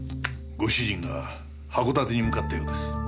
ご主人が函館に向かったようです。